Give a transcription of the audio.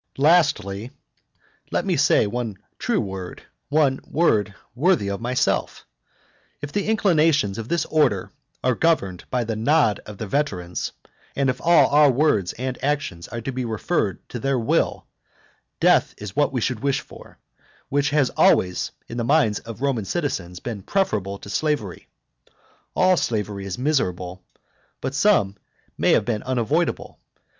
Lastly, (let me at last say one true word, one word worthy of myself!) if the inclinations of this order are governed by the nod of the veterans, and if all our words and actions are to be referred to their will, death is what we should wish for, which has always, in the minds of Roman citizens, been preferable to slavery. All slavery is miserable; but some may have been unavoidable.